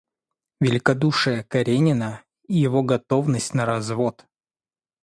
Великодушие Каренина, его готовность на развод.